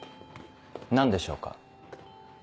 何でしょうか？